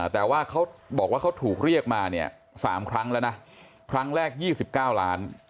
แต่ว่าเขาบอกว่าเขาถูกเรียกมาเนี่ย๓ครั้งแล้วนะครั้งแรก๒๙ล้าน